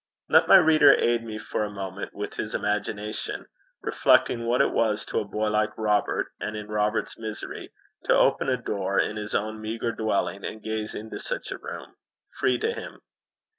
Let my reader aid me for a moment with his imagination reflecting what it was to a boy like Robert, and in Robert's misery, to open a door in his own meagre dwelling and gaze into such a room free to him.